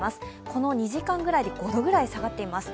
この２時間ぐらいで５度ぐらい下がっています。